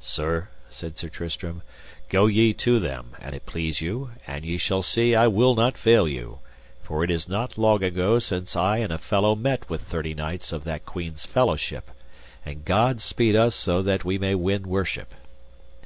Sir, said Sir Tristram, go ye to them, an it please you, and ye shall see I will not fail you, for it is not long ago since I and a fellow met with thirty knights of that queen's fellowship; and God speed us so that we may win worship.